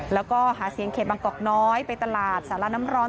แล้วก็หาเสียงเขตบางกอกน้อยไปตลาดสาระน้ำร้อน